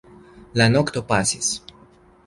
La nokto pasis.